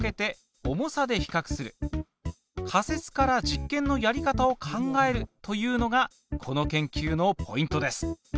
仮説から実験のやり方を考えるというのがこの研究のポイントです。